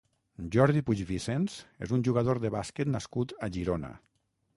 Jordi Puig Vicens és un jugador de bàsquet nascut a Girona.